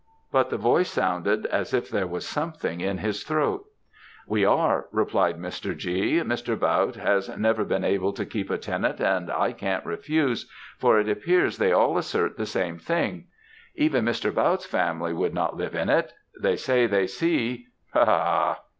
but the voice sounded as if there was something in his throat. "'We are,' replied Mr. G. 'Mr. Bautte has never been able to keep a tenant, and I can't refuse, for it appears they all assert the same thing. Even Mr. Bautte's family would not live in it they say they see ' "'Ha! ha!'